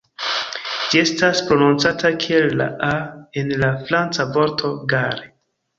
Ĝi estas prononcata kiel la "a" en la franca vorto "gare".